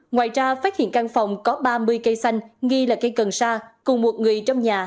ngoài ra phát hiện căn phòng có ba mươi cây xanh nghi là cây cần sa cùng một người trong nhà